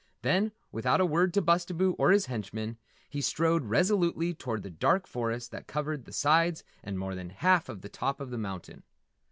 Then, without a word to Bustabo or his Henchmen, he strode resolutely toward the dark forest that covered the sides and more than half of the top of the mountain.